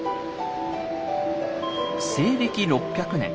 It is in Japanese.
西暦６００年